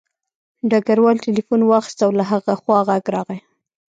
ډګروال تیلیفون واخیست او له هغه خوا غږ راغی